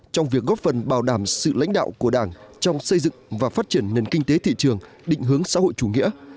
trong việc góp phần bảo đảm sự lãnh đạo của đảng trong xây dựng và phát triển nền kinh tế thị trường định hướng xã hội chủ nghĩa